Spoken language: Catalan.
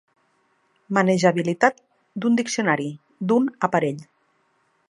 Manejabilitat d'un diccionari, d'un aparell.